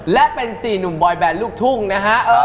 และเป็น๔หนุ่มบอยแบนลูกทุ่งนะฮะ